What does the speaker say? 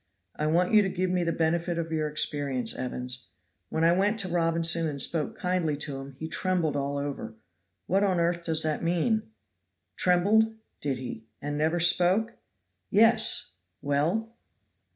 I want you to give me the benefit of your experience, Evans. When I went to Robinson and spoke kindly to him he trembled all over. What on earth does that mean?" "Trembled, did he, and never spoke?" "Yes! Well?"